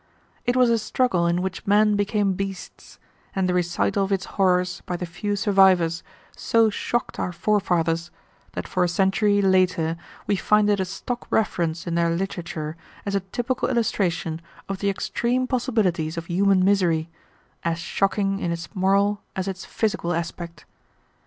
It was a struggle in which men became beasts, and the recital of its horrors by the few survivors so shocked our forefathers that for a century later we find it a stock reference in their literature as a typical illustration of the extreme possibilities of human misery, as shocking in its moral as its physical aspect.